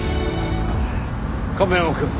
亀山くん。